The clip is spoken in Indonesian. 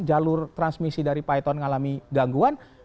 jalur transmisi dari python mengalami gangguan